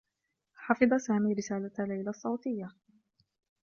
حفظ سامي رسالة ليلى الصّوتيّة.